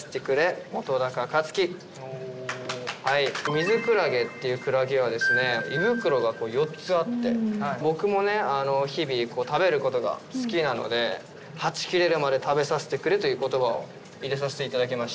ミズクラゲっていうクラゲは胃袋が４つあって僕も日々食べることが好きなので「はち切れるまで食べさせてくれ」という言葉を入れさせて頂きました。